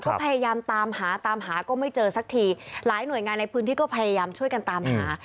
ก็พยายามตามหาตามหาก็ไม่เจอสักทีหลายหน่วยงานในพื้นที่ก็พยายามช่วยกันตามหา